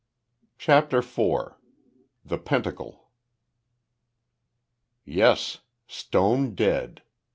CHAPTER FOUR. THE PENTACLE. Yes stone dead.